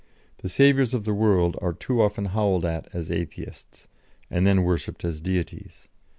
The saviours of the world are too often howled at as Atheists, and then worshipped as Deities.